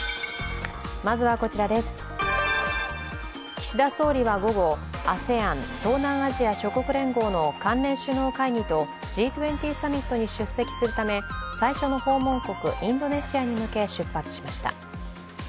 岸田総理は午後、ＡＳＥＡＮ＝東南アジア諸国連合の関連首脳会議とＧ２０サミットに出席するため最初の訪問国、インドネシアに向け出発しました。